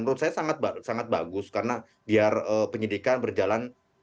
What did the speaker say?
menurut saya sangat bagus karena biar penyidikan berjalan